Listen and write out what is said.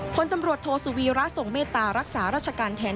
คนตำรวจโทสุวีรัสส่งเมตตารักษารักษาราชการแทน